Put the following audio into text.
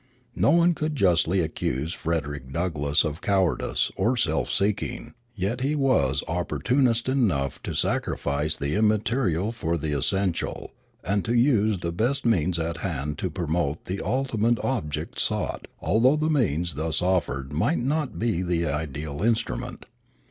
No one could justly accuse Frederick Douglass of cowardice or self seeking; yet he was opportunist enough to sacrifice the immaterial for the essential, and to use the best means at hand to promote the ultimate object sought, although the means thus offered might not be the ideal instrument.